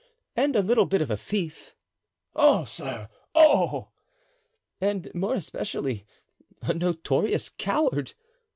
"And a little bit of a thief." "Oh, sir! oh!" "And, more especially, a notorious coward."